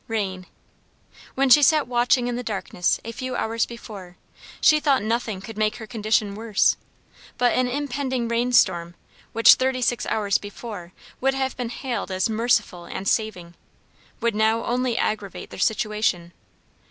Rain! When she sat watching in the darkness, a few hours before, she thought nothing could make her condition worse. But an impending rain storm which, thirty six hours before, would have been hailed as merciful and saving, would now only aggravate their situation.